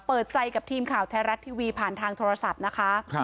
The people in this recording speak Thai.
เปิดใจกับทีมข่าวไทยรัฐทีวีผ่านทางโทรศัพท์นะคะ